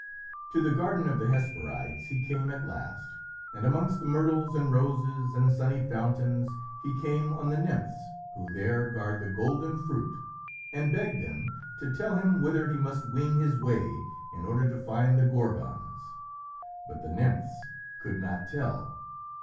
To the garden of the Hesperides he came at last, and amongst the myrtles and roses and sunny fountains he came on the nymphs who there guard the golden fruit, and begged them to tell him whither he must wing his way in order to find the Gorgons. But the nymphs could not tell.